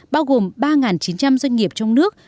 bao gồm ba chín trăm linh doanh nghiệp trong nước